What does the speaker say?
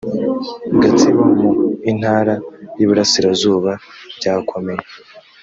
gatsibo mu intara y iburasirazuba byakomeye